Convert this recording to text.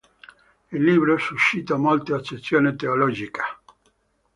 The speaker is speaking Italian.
Il libro suscitò molte obiezioni teologiche nella Chiesa cattolica romana.